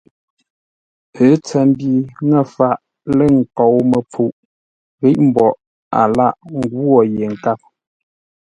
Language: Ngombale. Ə́ tsəmbi ŋə́ faʼ lə̂ nkou-məpfuʼ, ghíʼ mboʼ a lâghʼ ngwô yé nkâp.